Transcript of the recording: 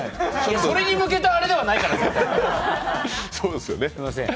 それに向けたあれではないから。